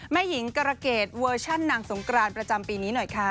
แม่หญิงกรเกรดเวอร์ชันนางสงกรานประจำปีนี้หน่อยค่ะ